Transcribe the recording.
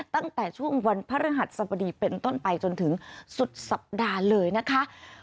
ตั้งแต่ช่วงวันพระฤหัสสบดีเป็นต้นไปจนถึงสุดสัปดาห์เลยนะคะ